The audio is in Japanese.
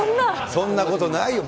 そんなことないよ、。